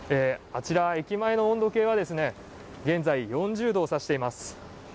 あちら駅前の温度計は現在４０度を指しています。